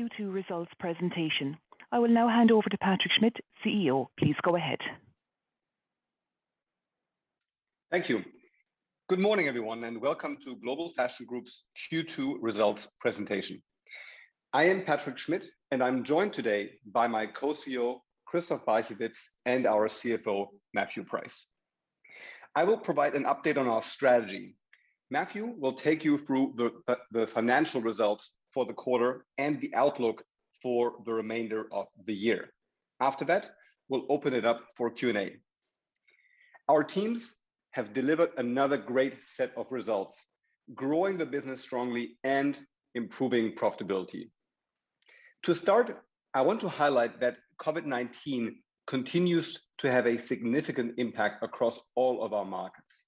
Fashion Group Q2 results presentation. I will now hand over to Patrick Schmidt, CEO. Please go ahead. Thank you. Good morning, everyone, and welcome to Global Fashion Group's Q2 results presentation. I am Patrick Schmidt, and I am joined today by my Co-CEO, Christoph Barchewitz, and our CFO, Matthew Price. I will provide an update on our strategy. Matthew will take you through the financial results for the quarter and the outlook for the remainder of the year. After that, we will open it up for Q&A. Our teams have delivered another great set of results, growing the business strongly and improving profitability. To start, I want to highlight that COVID-19 continues to have a significant impact across all of our markets.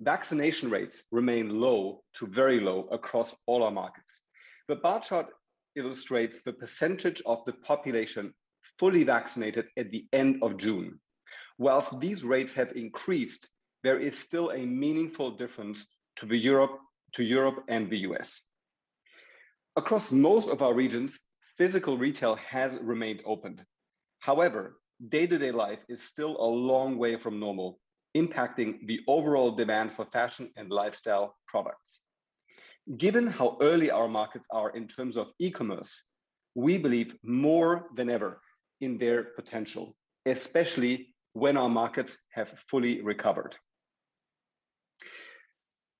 Vaccination rates remain low to very low across all our markets. The bar chart illustrates the percentage of the population fully vaccinated at the end of June. While these rates have increased, there is still a meaningful difference to Europe and the U.S. Across most of our regions, physical retail has remained opened. However, day-to-day life is still a long way from normal, impacting the overall demand for fashion and lifestyle products. Given how early our markets are in terms of e-commerce, we believe more than ever in their potential, especially when our markets have fully recovered.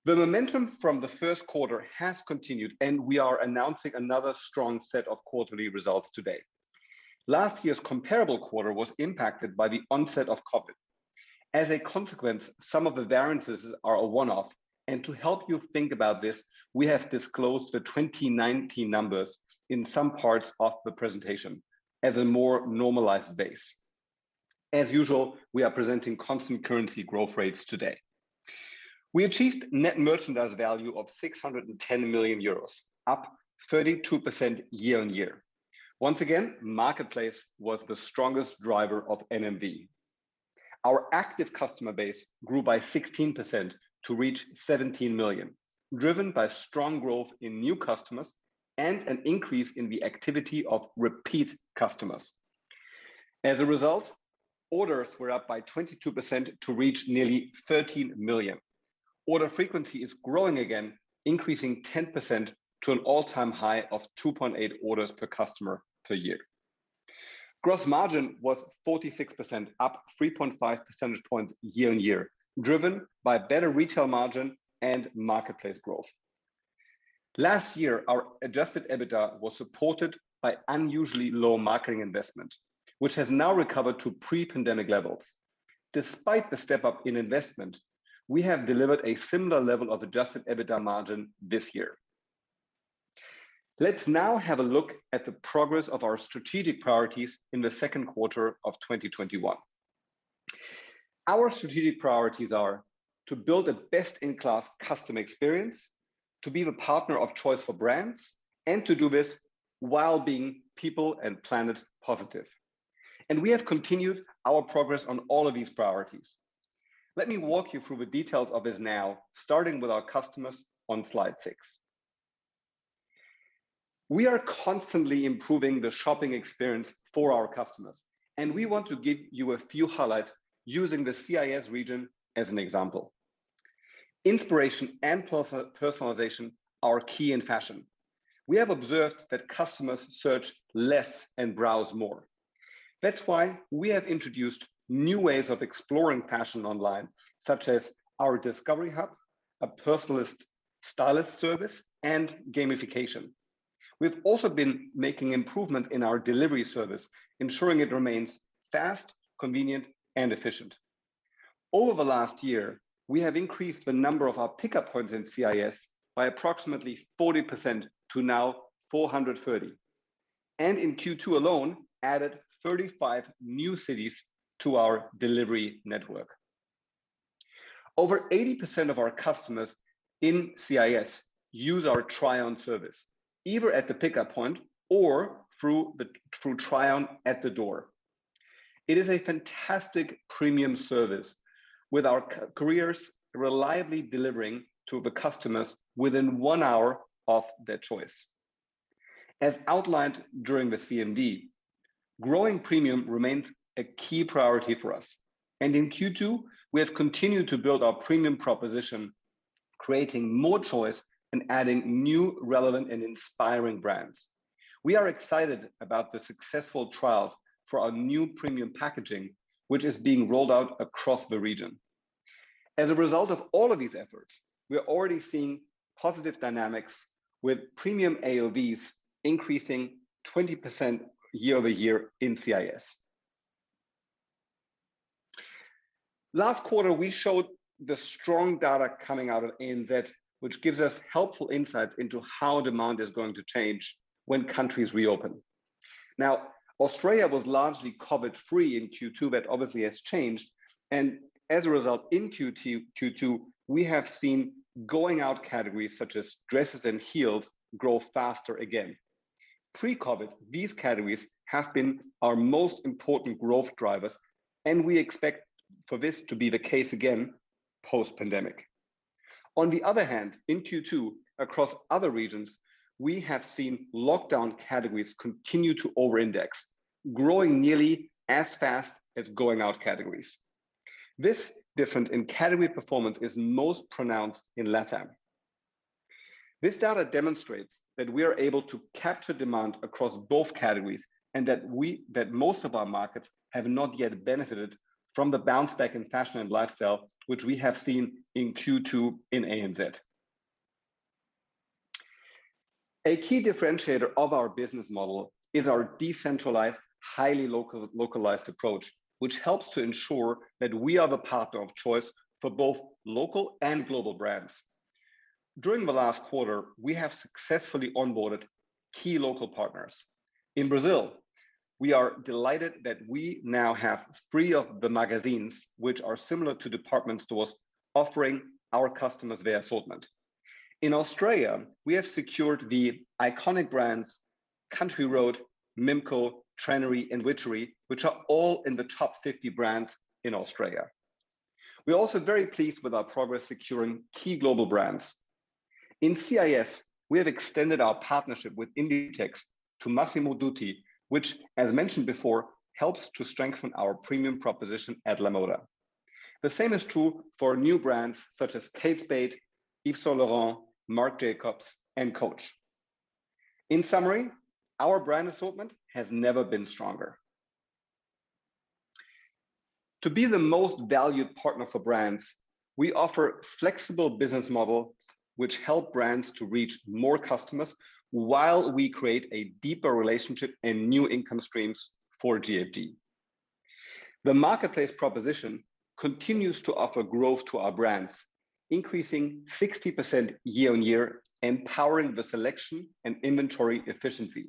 The momentum from the first quarter has continued, and we are announcing another strong set of quarterly results today. Last year's comparable quarter was impacted by the onset of COVID. As a consequence, some of the variances are a one-offs, and to help you think about this, we have disclosed the 2019 numbers in some parts of the presentation as a more normalized base. As usual, we are presenting constant currency growth rates today. We achieved net merchandise value of 610 million euros, up 32% year-on-year. Once again, marketplace was the strongest driver of NMV. Our active customer base grew by 16% to reach 17 million, driven by strong growth in new customers and an increase in the activity of repeat customers. As a result, orders were up by 22% to reach nearly 13 million. Order frequency is growing again, increasing 10% to an all-time high of 2.8x orders per customer per year. Gross margin was 46%, up 3.5 percentage points year-on-year, driven by better retail margin and marketplace growth. Last year, our adjusted EBITDA was supported by unusually low marketing investment, which has now recovered to pre-pandemic levels. Despite the step-up in investment, we have delivered a similar level of adjusted EBITDA margin this year. Let's now have a look at the progress of our strategic priorities in the second quarter of 2021. Our strategic priorities are to build a best-in-class customer experience, to be the partner of choice for brands, and to do this while being people and planet-positive. We have continued our progress on all of these priorities. Let me walk you through the details of this now, starting with our customers on slide 6. We are constantly improving the shopping experience for our customers, and we want to give you a few highlights using the CIS region as an example. Inspiration and personalization are key in fashion. We have observed that customers search less and browse more. That's why we have introduced new ways of exploring fashion online, such as our Discovery Hub, a personal stylist service, and gamification. We've also been making improvements in our delivery service, ensuring it remains fast, convenient, and efficient. Over the last year, we have increased the number of our pickup points in CIS by approximately 40% to now 430, and in Q2 alone, added 35 new cities to our delivery network. Over 80% of our customers in CIS use our try-on service, either at the pickup point or through try-on at the door. It is a fantastic premium service with our couriers reliably delivering to the customers within one hour of their choice. As outlined during the CMD, growing premium remains a key priority for us, and in Q2, we have continued to build our premium proposition, creating more choice and adding new relevant and inspiring brands. We are excited about the successful trials for our new premium packaging, which is being rolled out across the region. As a result of all of these efforts, we are already seeing positive dynamics with premium AOVs increasing 20% year-over-year in CIS. Last quarter, we showed the strong data coming out of NZ, which gives us helpful insights into how demand is going to change when countries reopen. Now, Australia was largely COVID-free in Q2. That obviously has changed, and as a result, in Q2, we have seen going-out categories such as dresses and heels grow faster again. Pre-COVID, these categories have been our most important growth drivers, and we expect for this to be the case again post-pandemic. On the other hand, in Q2, across other regions, we have seen lockdown categories continue to over-index, growing nearly as fast as going-out categories. This difference in category performance is most pronounced in LATAM. This data demonstrates that we are able to capture demand across both categories, that most of our markets have not yet benefited from the bounce back in fashion and lifestyle, which we have seen in Q2 in ANZ. A key differentiator of our business model is our decentralized, highly localized approach, which helps to ensure that we are the partner of choice for both local and global brands. During the last quarter, we have successfully onboarded key local partners. In Brazil, we are delighted that we now have three of the Magazine Luiza, which are similar to department stores, offering our customers their assortment. In Australia, we have secured the iconic brands Country Road, Mimco, Trenery, and Witchery, which are all in the top 50 brands in Australia. We're also very pleased with our progress securing key global brands. In CIS, we have extended our partnership with Inditex to Massimo Dutti, which, as mentioned before, helps to strengthen our premium proposition at Lamoda. The same is true for new brands such as kate spade new york, Yves Saint Laurent, Marc Jacobs, and Coach. In summary, our brand assortment has never been stronger. To be the most valued partner for brands, we offer flexible business models which help brands to reach more customers while we create a deeper relationship and new income streams for GFG. The marketplace proposition continues to offer growth to our brands, increasing 60% year-on-year, empowering the selection and inventory efficiency.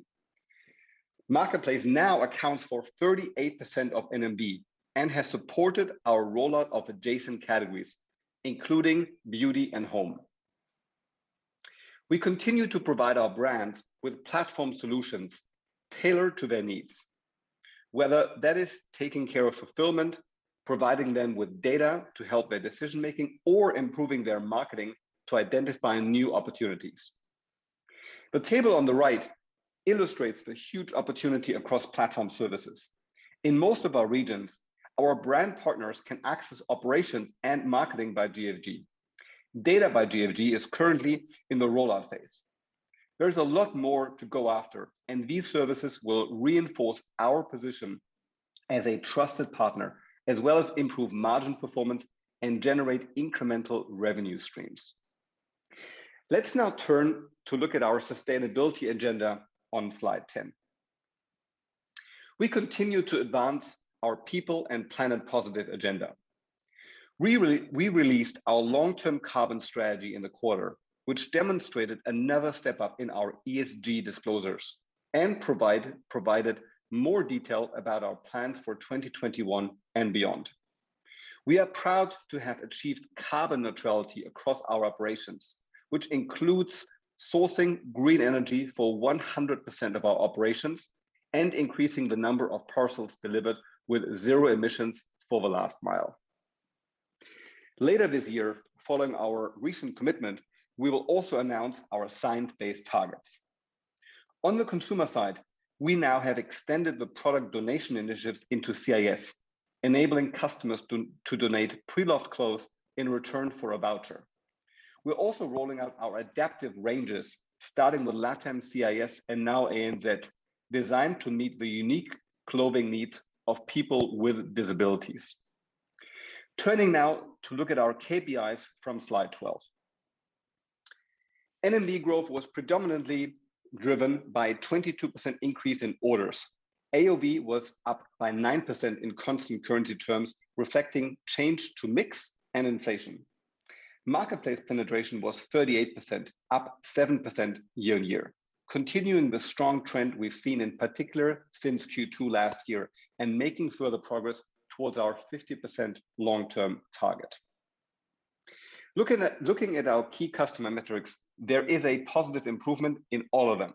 Marketplace now accounts for 38% of NMV and has supported our rollout of adjacent categories, including beauty and home. We continue to provide our brands with platform solutions tailored to their needs, whether that is taking care of fulfillment, providing them with data to help their decision-making, or improving their marketing to identify new opportunities. The table on the right illustrates the huge opportunity across platform services. In most of our regions, our brand partners can access operations and marketing by GFG. Data by GFG is currently in the rollout phase. There is a lot more to go after. These services will reinforce our position as a trusted partner, as well as improve margin performance and generate incremental revenue streams. Let's now turn to look at our sustainability agenda on slide 10. We continue to advance our people and planet-positive agenda. We released our long-term carbon strategy in the quarter, which demonstrated another step up in our ESG disclosures and provided more detail about our plans for 2021 and beyond. We are proud to have achieved carbon neutrality across our operations, which includes sourcing green energy for 100% of our operations and increasing the number of parcels delivered with zero emissions for the last mile. Later this year, following our recent commitment, we will also announce our science-based targets. On the consumer side, we now have extended the product donation initiatives into CIS, enabling customers to donate pre-loved clothes in return for a voucher. We're also rolling out our adaptive ranges, starting with LATAM, CIS, and now ANZ, designed to meet the unique clothing needs of people with disabilities. Turning now to look at our KPIs from slide 12. NMV growth was predominantly driven by a 22% increase in orders. AOV was up by 9% in constant currency terms, reflecting change to mix and inflation. Marketplace penetration was 38%, up 7% year-on-year, continuing the strong trend we've seen in particular since Q2 last year and making further progress towards our 50% long-term target. Looking at our key customer metrics, there is a positive improvement in all of them.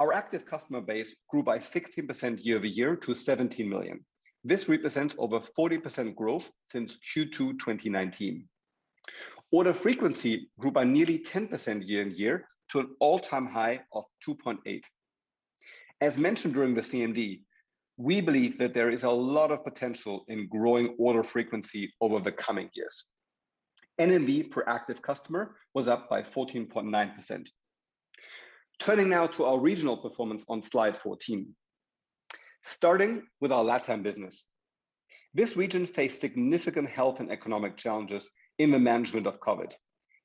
Our active customer base grew by 16% year-over-year to 17 million. This represents over 40% growth since Q2 2019. Order frequency grew by nearly 10% year-on-year to an all-time high of 2.8x. As mentioned during the CMD, we believe that there is a lot of potential in growing order frequency over the coming years. NMV per active customer was up by 14.9%. Turning now to our regional performance on slide 14. Starting with our LATAM business. This region faced significant health and economic challenges in the management of COVID-19.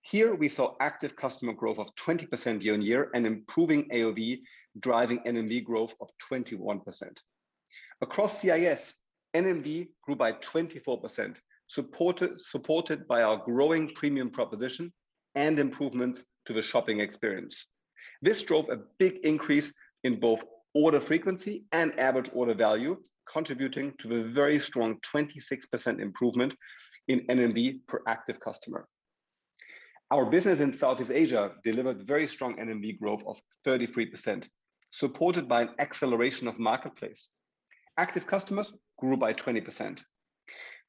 Here, we saw active customer growth of 20% year-on-year and improving AOV, driving NMV growth of 21%. Across CIS, NMV grew by 24%, supported by our growing premium proposition and improvements to the shopping experience. This drove a big increase in both order frequency and average order value, contributing to the very strong 26% improvement in NMV per active customer. Our business in Southeast Asia delivered very strong NMV growth of 33%, supported by an acceleration of marketplace. Active customers grew by 20%.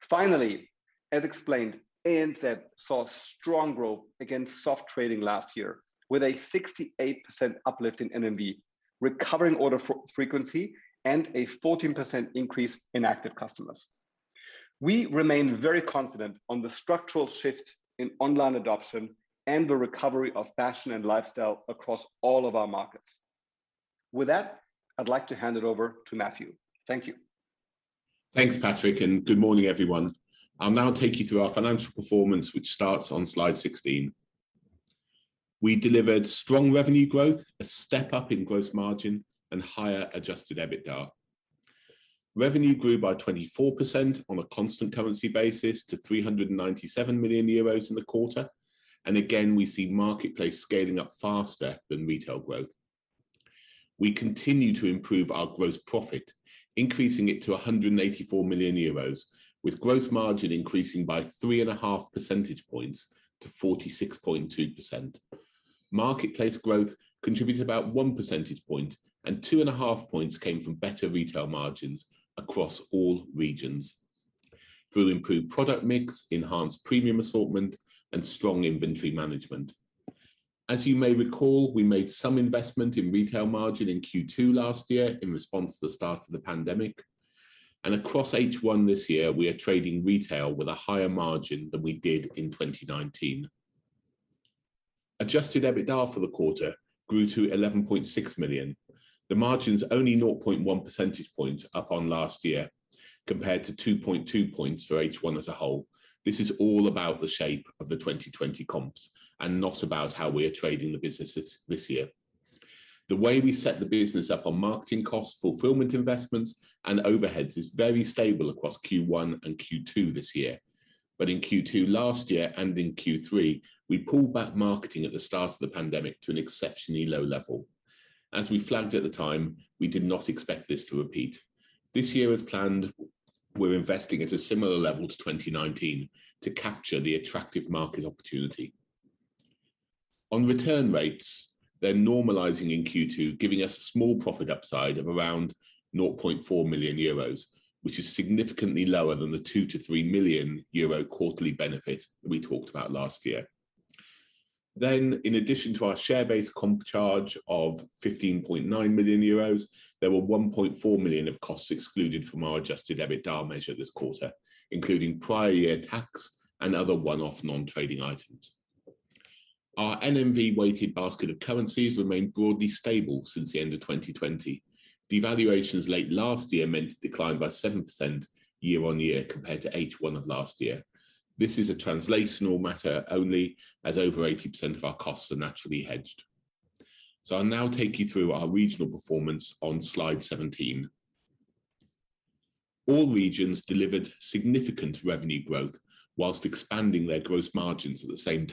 Finally, as explained, ANZ saw strong growth against soft trading last year with a 68% uplift in NMV, recovering order frequency, and a 14% increase in active customers. We remain very confident on the structural shift in online adoption and the recovery of fashion and lifestyle across all of our markets. With that, I'd like to hand it over to Matthew. Thank you. Thanks, Patrick. Good morning, everyone. I'll now take you through our financial performance, which starts on slide 16. We delivered strong revenue growth, a step up in gross margin, and higher adjusted EBITDA. Revenue grew by 24% on a constant currency basis to 397 million euros in the quarter. Again, we see marketplace scaling up faster than retail growth. We continue to improve our gross profit, increasing it to 184 million euros, with gross margin increasing by 3.5 percentage points to 46.2%. Marketplace growth contributed about 1 percentage point, and 2.5 points came from better retail margins across all regions through improved product mix, enhanced premium assortment, and strong inventory management. As you may recall, we made some investment in retail margin in Q2 last year in response to the start of the pandemic. Across H1 this year, we are trading retail with a higher margin than we did in 2019. Adjusted EBITDA for the quarter grew to 11.6 million. The margin's only 0.1 percentage points up on last year compared to 2.2 points for H1 as a whole. This is all about the shape of the 2020 comps and not about how we are trading the businesses this year. The way we set the business up on marketing costs, fulfillment investments, and overheads is very stable across Q1 and Q2 this year. In Q2 last year and in Q3, we pulled back marketing at the start of the pandemic to an exceptionally low level. As we flagged at the time, we did not expect this to repeat. This year, as planned, we're investing at a similar level to 2019 to capture the attractive market opportunity. On return rates, they're normalizing in Q2, giving us a small profit upside of around 0.4 million euros, which is significantly lower than the 2 million-3 million euro quarterly benefit we talked about last year. In addition to our share-based comp charge of 15.9 million euros, there were 1.4 million of costs excluded from our adjusted EBITDA measure this quarter, including prior year tax and other one-off non-trading items. Our NMV-weighted basket of currencies remained broadly stable since the end of 2020. Devaluations late last year meant a decline by 7% year-on-year compared to H1 of last year. This is a translational matter only, as over 80% of our costs are naturally hedged. I'll now take you through our regional performance on slide 17. All regions delivered significant revenue growth whilst expanding their gross margins at the same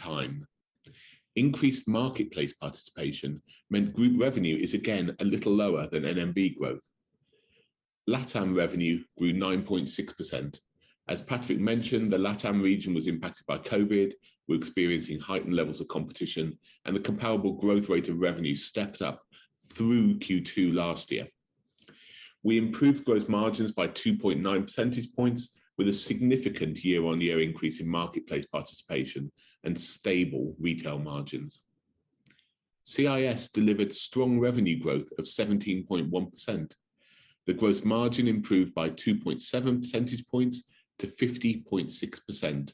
time. Increased marketplace participation meant group revenue is again a little lower than NMV growth. LATAM revenue grew 9.6%. As Patrick mentioned, the LATAM region was impacted by COVID. We're experiencing heightened levels of competition, and the comparable growth rate of revenue stepped up through Q2 last year. We improved gross margins by 2.9 percentage points with a significant year-over-year increase in marketplace participation and stable retail margins. CIS delivered strong revenue growth of 17.1%. The gross margin improved by 2.7 percentage points to 50.6%.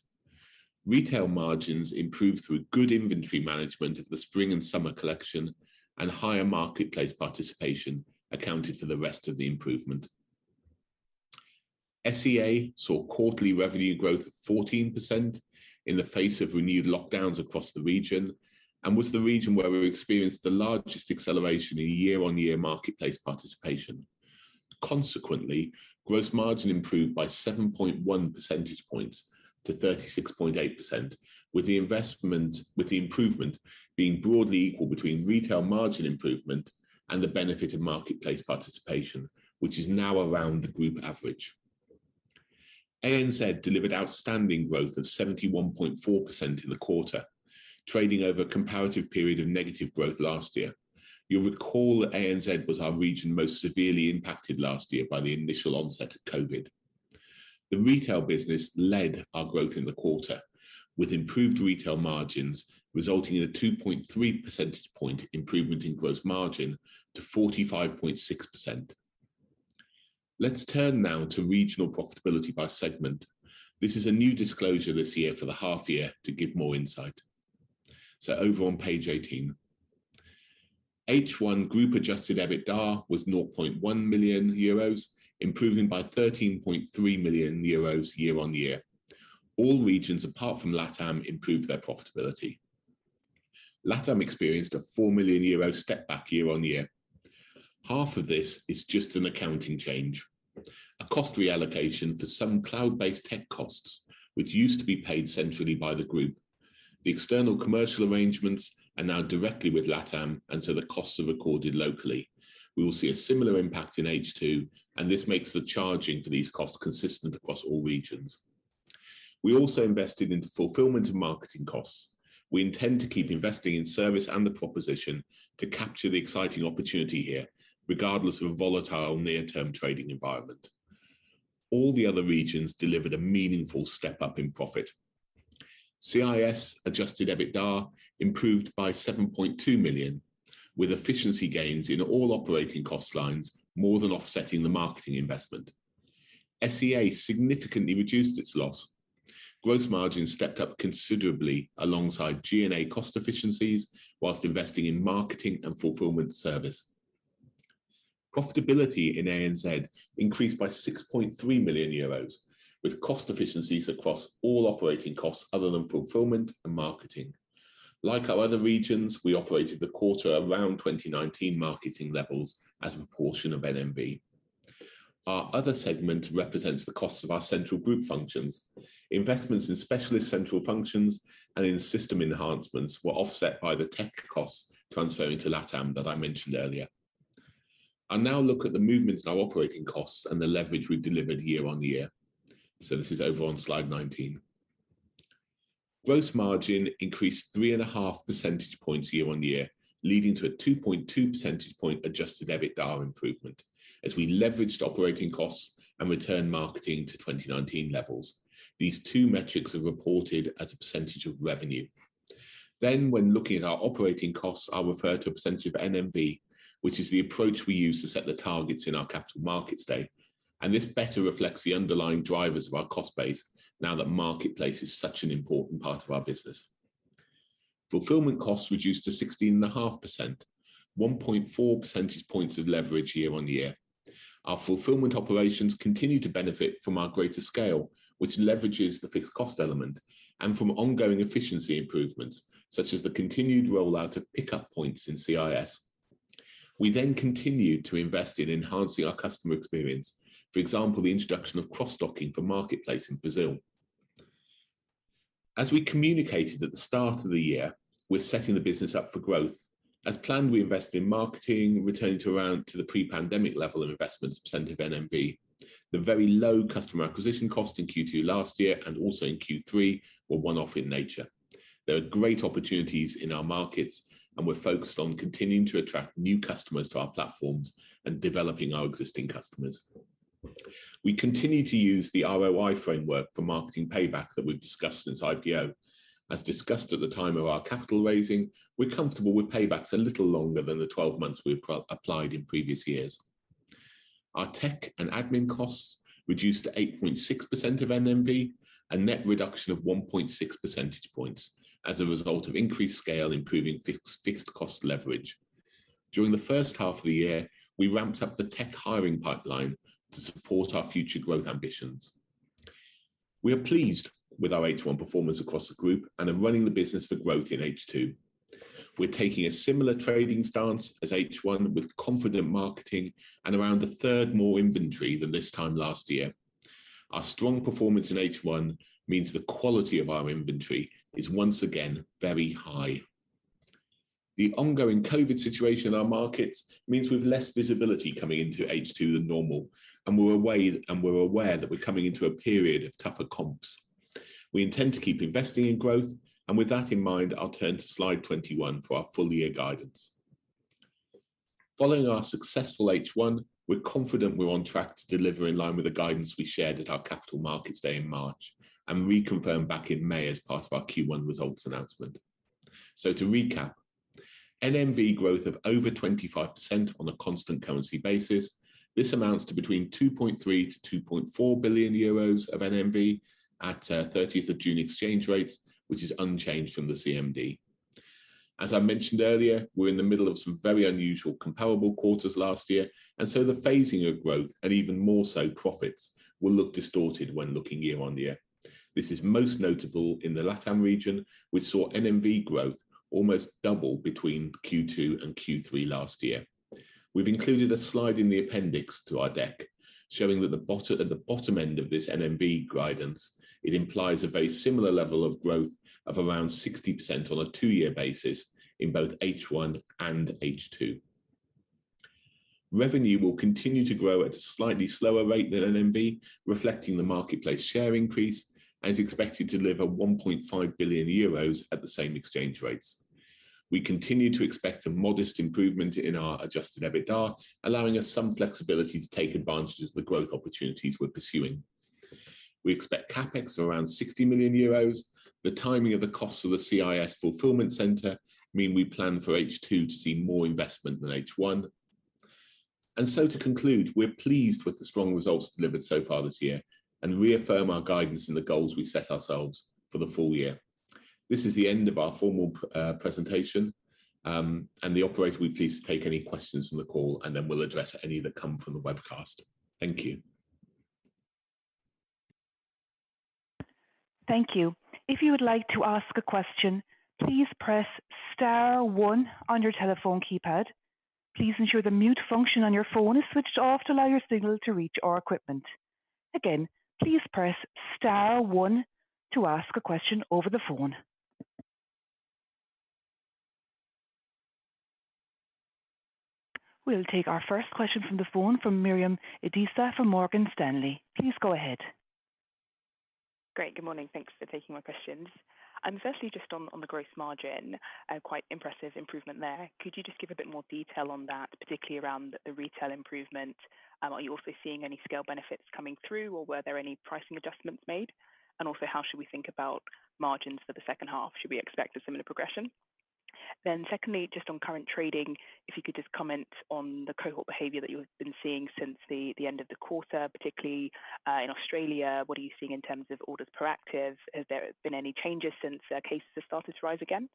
Retail margins improved through good inventory management of the spring and summer collection, and higher marketplace participation accounted for the rest of the improvement. SEA saw quarterly revenue growth of 14% in the face of renewed lockdowns across the region and was the region where we experienced the largest acceleration in year-over-year marketplace participation. Consequently, gross margin improved by 7.1 percentage points to 36.8%, with the improvement being broadly equal between retail margin improvement and the benefit of marketplace participation, which is now around the group average. ANZ delivered outstanding growth of 71.4% in the quarter, trading over a comparative period of negative growth last year. You'll recall that ANZ was our region most severely impacted last year by the initial onset of COVID. The retail business led our growth in the quarter, with improved retail margins resulting in a 2.3 percentage point improvement in gross margin to 45.6%. Let's turn now to regional profitability by segment. This is a new disclosure this year for the half-year to give more insight. Over on page 18. H1 group adjusted EBITDA was 0.1 million euros, improving by 13.3 million euros year-on-year. All regions apart from LATAM improved their profitability. LATAM experienced a 4 million euro step back year-on-year. 50% of this is just an accounting change, a cost reallocation for some cloud-based tech costs, which used to be paid centrally by the group. The external commercial arrangements are now directly with LATAM. The costs are recorded locally. We will see a similar impact in H2. This makes the charging for these costs consistent across all regions. We also invested into fulfillment and marketing costs. We intend to keep investing in service and the proposition to capture the exciting opportunity here, regardless of a volatile near-term trading environment. All the other regions delivered a meaningful step-up in profit. CIS adjusted EBITDA improved by 7.2 million, with efficiency gains in all operating cost lines more than offsetting the marketing investment. SEA significantly reduced its loss. Gross margin stepped up considerably alongside G&A cost efficiencies whilst investing in marketing and fulfillment service. Profitability in ANZ increased by 6.3 million euros, with cost efficiencies across all operating costs other than fulfillment and marketing. Like our other regions, we operated the quarter around 2019 marketing levels as a proportion of NMV. Our other segment represents the cost of our central group functions. Investments in specialist central functions and in system enhancements were offset by the tech costs transferring to LATAM that I mentioned earlier. I'll now look at the movements in our operating costs and the leverage we've delivered year-on-year. This is over on slide 19. Gross margin increased 3.5 percentage points year-on-year, leading to a 2.2 percentage point adjusted EBITDA improvement as we leveraged operating costs and returned marketing to 2019 levels. These two metrics are reported as a percentage of revenue. When looking at our operating costs, I'll refer to a percentage of NMV, which is the approach we use to set the targets in our capital markets day, and this better reflects the underlying drivers of our cost base now that marketplace is such an important part of our business. Fulfillment costs reduced to 16.5%, 1.4 percentage points of leverage year-on-year. Our fulfillment operations continue to benefit from our greater scale, which leverages the fixed cost element, and from ongoing efficiency improvements, such as the continued rollout of pickup points in CIS. We continued to invest in enhancing our customer experience. For example, the introduction of cross-docking for marketplace in Brazil. As we communicated at the start of the year, we're setting the business up for growth. As planned, we invest in marketing, returning to around to the pre-pandemic level of investment percentage of NMV. The very low customer acquisition cost in Q2 last year, and also in Q3, were one-off in nature. There are great opportunities in our markets; we're focused on continuing to attract new customers to our platforms and developing our existing customers. We continue to use the ROI framework for marketing payback that we've discussed since IPO. As discussed at the time of our capital raising, we're comfortable with paybacks a little longer than the 12 months we applied in previous years. Our tech and admin costs reduced to 8.6% of NMV, a net reduction of 1.6 percentage points as a result of increased scale, improving fixed cost leverage. During the first half of the year, we ramped up the tech hiring pipeline to support our future growth ambitions. We are pleased with our H1 performance across the group and are running the business for growth in H2. We're taking a similar trading stance as H1, with confident marketing and around a third more inventory than this time last year. Our strong performance in H1 means the quality of our inventory is once again very high. The ongoing COVID situation in our markets means we've less visibility coming into H2 than normal, and we're aware that we're coming into a period of tougher comps. We intend to keep investing in growth. With that in mind, I'll turn to slide 21 for our full-year guidance. Following our successful H1, we're confident we're on track to deliver in line with the guidance we shared at our Capital Markets Day in March and reconfirmed back in May as part of our Q1 results announcement. To recap, NMV growth of over 25% on a constant currency basis. This amounts to between 2.3 billion-2.4 billion euros of NMV at 30th of June exchange rates, which is unchanged from the CMD. As I mentioned earlier, we're in the middle of some very unusual comparable quarters last year, the phasing of growth, and even more so profits, will look distorted when looking year-on-year. This is most notable in the LATAM region, which saw NMV growth almost double between Q2 and Q3 last year. We've included a slide in the appendix to our deck showing that at the bottom end of this NMV guidance, it implies a very similar level of growth of around 60% on a two-year basis in both H1 and H2. Revenue will continue to grow at a slightly slower rate than NMV, reflecting the marketplace share increase, and is expected to deliver 1.5 billion euros at the same exchange rates. We continue to expect a modest improvement in our adjusted EBITDA, allowing us some flexibility to take advantage of the growth opportunities we're pursuing. We expect CapEx of around 60 million euros. The timing of the costs of the CIS fulfillment center means we plan for H2 to see more investment than H1. To conclude, we're pleased with the strong results delivered so far this year and reaffirm our guidance and the goals we set ourselves for the full year. This is the end of our formal presentation. The operator will please take any questions from the call, and then we'll address any that come from the webcast. Thank you. Thank you. If you would like to ask a question, please press star one on your telephone keypad. Please ensure the mute function on your phone is switched off to allow your signal to reach our equipment. Again, please press star one to ask a question over the phone. We'll take our first question from the phone from Miriam Adisa from Morgan Stanley. Please go ahead. Great. Good morning. Thanks for taking my questions. Firstly, on the gross margin, quite impressive improvement there. Could you give a bit more detail on that, particularly around the retail improvement? Are you also seeing any scale benefits coming through, or were there any pricing adjustments made? How should we think about margins for the second half? Should we expect a similar progression? Secondly, on current trading, if you could comment on the cohort behavior that you've been seeing since the end of the quarter, particularly in Australia? What are you seeing in terms of orders per active? Have there been any changes since cases have started to rise again?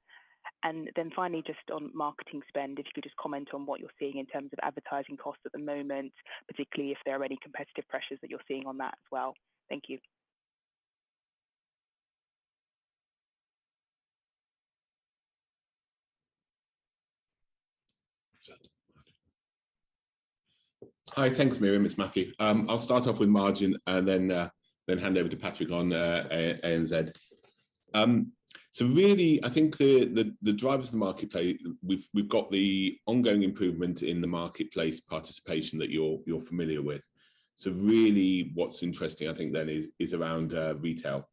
Finally, just on marketing spend, if you could just comment on what you are seeing in terms of advertising costs at the moment, particularly if there are any competitive pressures that you are seeing on that as well. Thank you. Hi. Thanks, Miriam. It's Matthew. I'll start off with margin and then hand over to Patrick on ANZ. I think the drivers of the marketplace we've got the ongoing improvement in the marketplace participation that you're familiar with. What's interesting, I think, is around retail.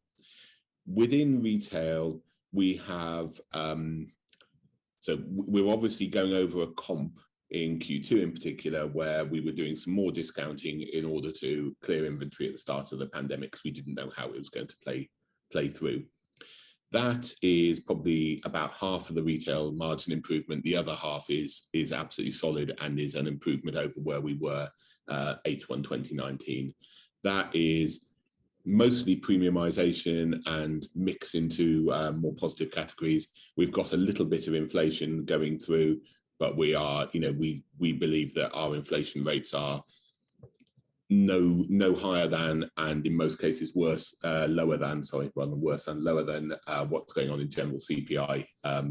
Within retail, we're obviously going over a comp in Q2 in particular, where we were doing some more discounting in order to clear inventory at the start of the pandemic because we didn't know how it was going to play through. That is probably about 50% of the retail margin improvement. The other 50% is absolutely solid and is an improvement over where we were H1 2019. That is mostly premiumization and mix into more positive categories. We've got a little bit of inflation going through, but we believe that our inflation rates are no higher than, and in most cases, lower than what's going on in general CPI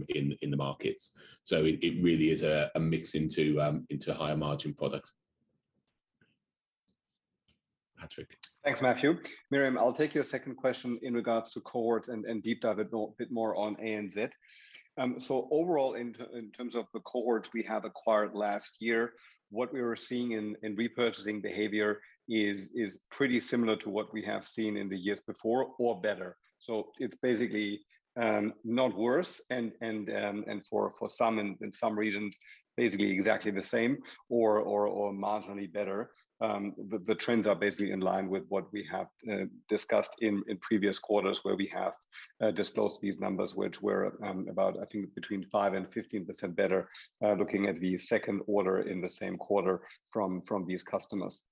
in the markets. It really is a mix into higher margin products. Patrick. Thanks, Matthew. Miriam, I'll take your second question in regards to cohorts and deep dive a bit more on ANZ. Overall, in terms of the cohorts we have acquired last year, what we were seeing in repurchasing behavior is pretty similar to what we have seen in the years before, or better. It's basically not worse, and for some, in some regions, basically exactly the same or marginally better. The trends are basically in line with what we have discussed in previous quarters, where we have disclosed these numbers, which were about, I think, between 5% and 15% better, looking at the second order in the same quarter from these customers.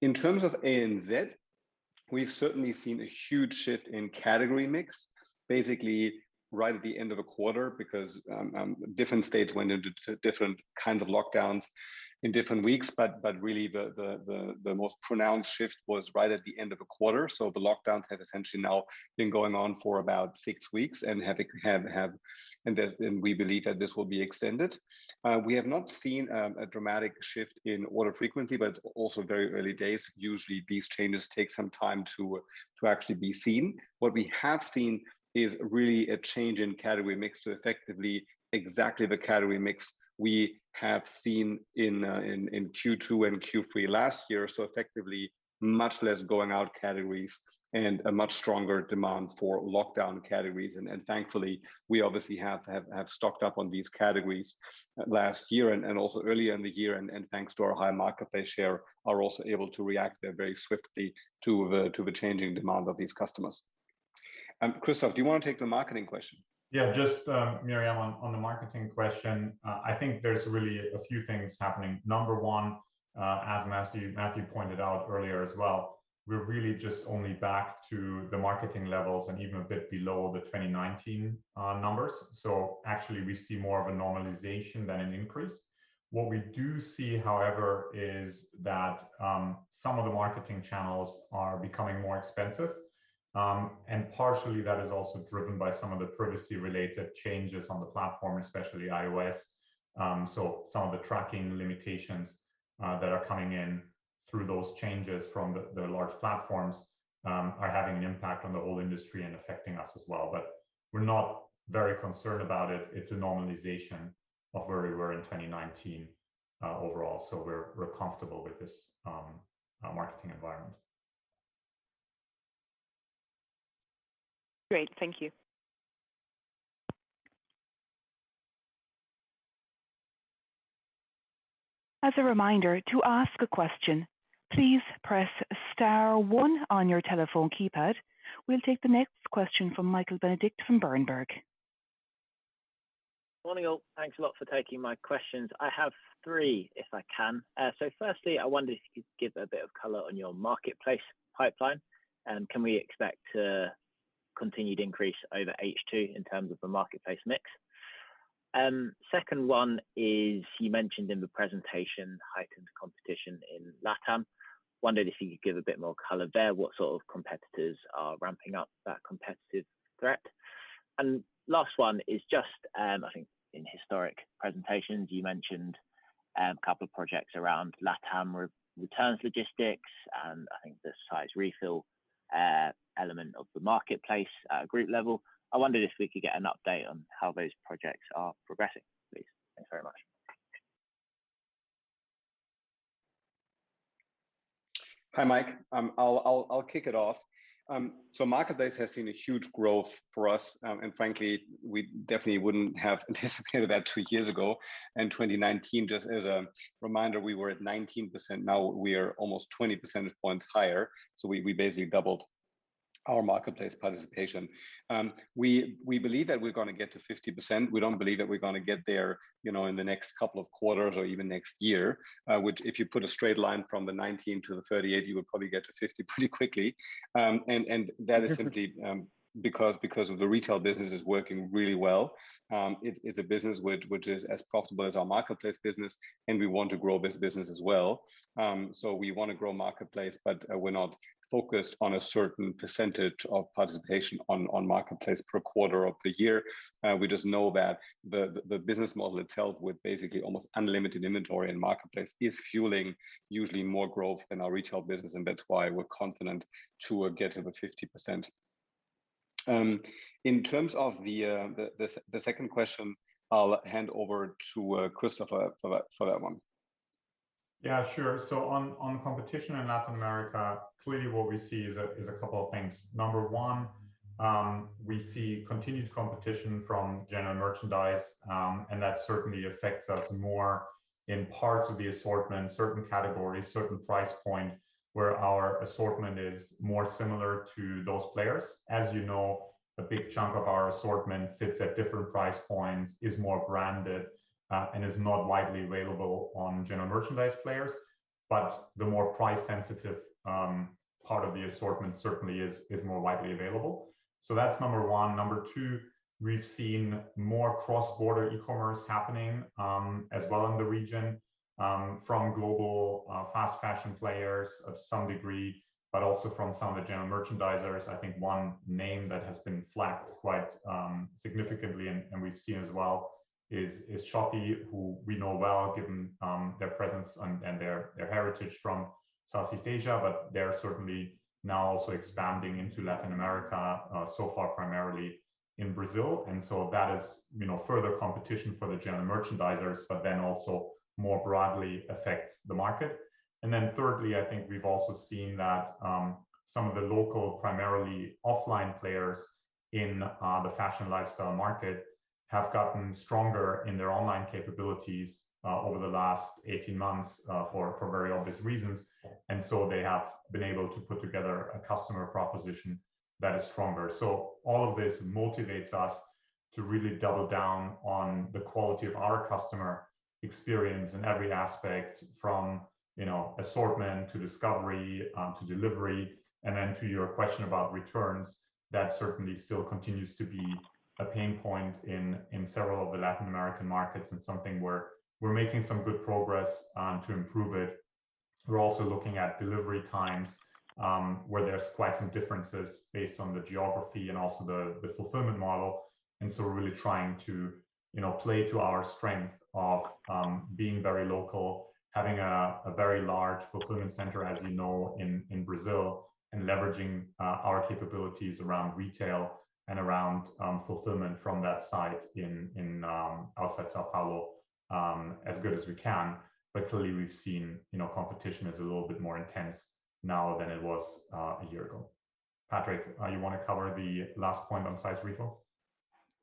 In terms of ANZ, we've certainly seen a huge shift in category mix, basically right at the end of a quarter, because different states went into different kinds of lockdowns in different weeks. Really, the most pronounced shift was right at the end of a quarter. The lockdowns have essentially now been going on for about six weeks, and we believe that this will be extended. We have not seen a dramatic shift in order frequency, but it's also very early days. Usually, these changes take some time to actually be seen. What we have seen is really a change in category mix to effectively exactly the category mix we have seen in Q2 and Q3 last year. Effectively, much less going out categories and a much stronger demand for lockdown categories. Thankfully, we obviously have stocked up on these categories last year and also earlier in the year, and thanks to our high marketplace share, are also able to react there very swiftly to the changing demand of these customers. Christoph, do you want to take the marketing question? Miriam, on the marketing question, I think there's really a few things happening. Number one, as Matthew pointed out earlier as well, we're really just only back to the marketing levels and even a bit below the 2019 numbers. Actually, we see more of a normalization than an increase. What we do see, however, is that some of the marketing channels are becoming more expensive. Partially, that is also driven by some of the privacy-related changes on the platform, especially iOS. Some of the tracking limitations that are coming in through those changes from the large platforms are having an impact on the whole industry and affecting us as well. We're not very concerned about it. It's a normalization of where we were in 2019 overall. We're comfortable with this marketing environment. Great. Thank you. As a reminder, to ask a question, please press star one on your telephone keypad. We will take the next question from Michael Benedict from Berenberg. Morning, all. Thanks a lot for taking my questions. I have three if I can. Firstly, I wondered if you could give a bit of color on your marketplace pipeline, and can we expect a continued increase over H2 in terms of the marketplace mix? Second one is you mentioned in the presentation, heightened competition in LATAM. Wondered if you could give a bit more color there. What sort of competitors are ramping up that competitive threat? Last one is just, I think in historic presentations you mentioned a couple of projects around LATAM returns logistics, and I think the size and fit of the marketplace at group level. I wondered if we could get an update on how those projects are progressing, please. Thanks very much. Hi, Michael. I'll kick it off. Marketplace has seen a huge growth for us. Frankly, we definitely wouldn't have anticipated that two years ago. In 2019, just as a reminder, we were at 19%. Now we are almost 20 percentage points higher. We basically doubled our marketplace participation. We believe that we're going to get to 50%. We don't believe that we're going to get there in the next couple of quarters or even next year. Which if you put a straight line from the 19% to the 38%, you would probably get to 50% pretty quickly. That is simply because of the retail business is working really well. It's a business which is as profitable as our marketplace business, and we want to grow this business as well. We want to grow marketplace, but we are not focused on a certain percentage of participation on marketplace per quarter of the year. We just know that the business model itself, with basically almost unlimited inventory in Marketplace, is fueling usually more growth than our retail business, and that is why we are confident to get over 50%. In terms of the second question, I will hand over to Christoph for that one. Yeah, sure. On competition in Latin America, clearly, what we see is a couple of things. Number one, we see continued competition from general merchandise, and that certainly affects us more in parts of the assortment, certain categories, certain price points, where our assortment is more similar to those players. As you know, a big chunk of our assortment sits at different price points, is more branded, and is not widely available on general merchandise players. The more price-sensitive part of the assortment certainly is more widely available. That's number one. Number two, we've seen more cross-border e-commerce happening as well in the region, from global fast fashion players of some degree, but also from some of the general merchandisers. I think one name that has been flagged quite significantly, and we've seen as well, is Shopee, who we know well given their presence and their heritage from Southeast Asia. They're certainly now also expanding into Latin America, so far, primarily in Brazil. That is further competition for the general merchandisers, also more broadly affects the market. Thirdly, I think we've also seen that some of the local, primarily offline players in the fashion lifestyle market have gotten stronger in their online capabilities over the last 18 months, for very obvious reasons. They have been able to put together a customer proposition that is stronger. All of this motivates us to really double down on the quality of our customer experience in every aspect, from assortment to discovery, to delivery. To your question about returns, that certainly still continues to be a pain point in several of the Latin American markets, and something we're making some good progress to improve it. We're also looking at delivery times, where there's quite some differences based on the geography and also the fulfillment model. We're really trying to play to our strength of being very local, having a very large fulfillment center, as you know, in Brazil, and leveraging our capabilities around retail and around fulfillment from that site outside São Paulo, as good as we can. Clearly, we've seen competition is a little bit more intense now than it was a year ago. Patrick, you want to cover the last point on size and fit?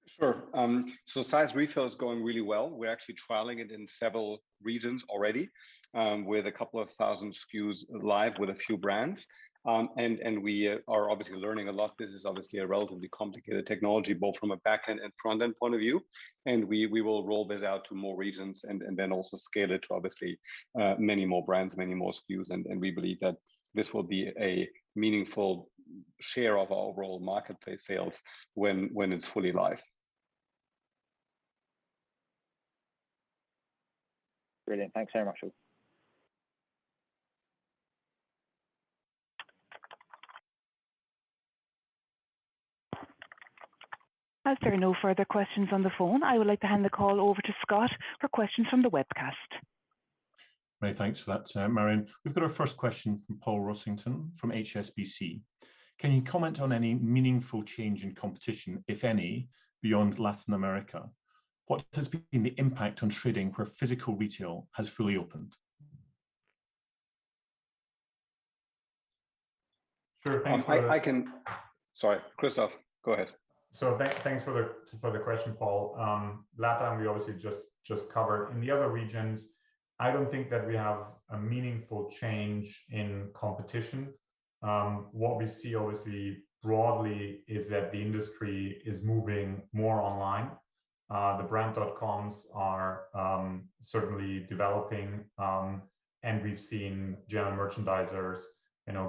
Sure. Size and fit is going really well. We are actually trialing it in several regions already, with a couple of thousand SKUs live with a few brands. We are obviously learning a lot. This is obviously a relatively complicated technology, both from a back-end and front-end point of view. We will roll this out to more regions and then also scale it to obviously, many more brands, many more SKUs. We believe that this will be a meaningful share of our overall Marketplace sales when it's fully live. Brilliant. Thanks very much. As there are no further questions on the phone, I would like to hand the call over to Scott for questions from the webcast. Great. Thanks for that, Marion. We've got our first question from Paul Rossington from HSBC. Can you comment on any meaningful change in competition, if any, beyond Latin America? What has been the impact on trading where physical retail has fully opened? Sure. Sorry, Christoph, go ahead. Thanks for the question, Paul. LATAM, we obviously just covered. In the other regions, I don't think that we have a meaningful change in competition. What we see, obviously, broadly is that the industry is moving more online. The brand dot-coms are certainly developing, and we've seen general merchandisers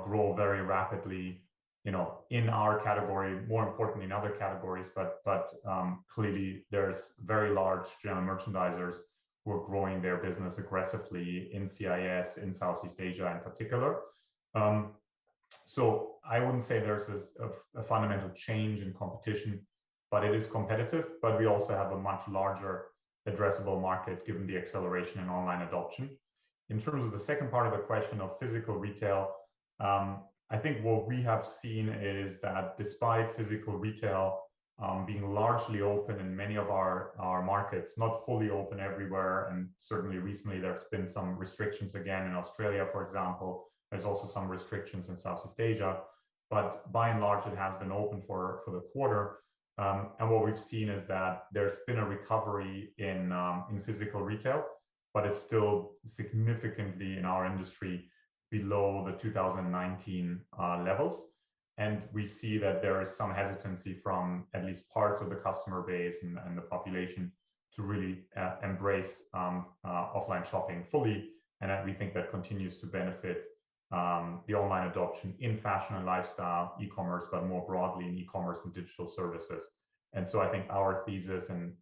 grow very rapidly in our category, more importantly, in other categories. Clearly, there's very large general merchandisers who are growing their business aggressively in CIS, in Southeast Asia in particular. I wouldn't say there's a fundamental change in competition. It is competitive, but we also have a much larger addressable market given the acceleration in online adoption. In terms of the second part of the question of physical retail, I think what we have seen is that despite physical retail being largely open in many of our markets, not fully open everywhere, and certainly recently there's been some restrictions again in Australia, for example. There's also some restrictions in Southeast Asia. By and large, it has been open for the quarter. What we've seen is that there's been a recovery in physical retail, but it's still significantly, in our industry, below the 2019 levels. We see that there is some hesitancy from at least parts of the customer base and the population to really embrace offline shopping fully, and we think that continues to benefit the online adoption in fashion and lifestyle e-commerce, but more broadly in e-commerce and digital services. I think our thesis in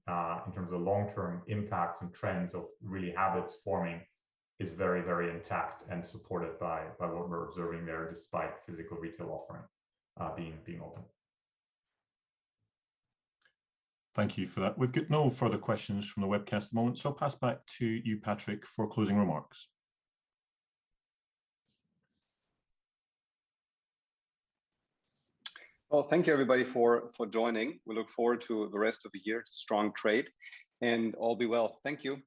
terms of long-term impacts and trends of really habits forming is very, very intact and supported by what we're observing there, despite physical retail offering being open. Thank you for that. We've got no further questions from the webcast at the moment. I'll pass back to you, Patrick, for closing remarks. Well, thank you, everybody, for joining. We look forward to the rest of the year, strong trade, and all be well. Thank you.